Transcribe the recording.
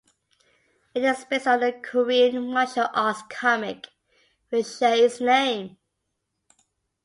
It is based on a Korean martial arts comic which shares its name.